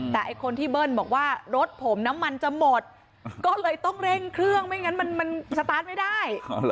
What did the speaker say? แต่ไอ้คนที่เบิ้ลบอกว่ารถผมน้ำมันจะหมดก็เลยต้องเร่งเครื่องไม่งั้นมันสตาร์ทไม่ได้